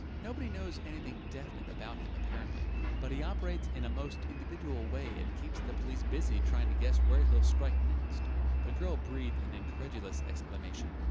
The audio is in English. Nobody knows anything definite about him, apparently, but he operates in a most individual way and keeps the police busy trying to guess where he'll strike next." The girl breathed an incredulous exclamation.